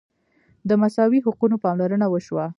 د مساوي حقونو پاملرنه وشوه.